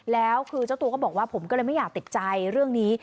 แล้วคือเจ้าตัวก็บอกว่าผมก็เลยไม่อยากติดใจเรื่องนี้